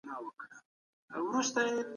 د مکروبونو ضد درمل د مسمومیت لپاره ګټور دي.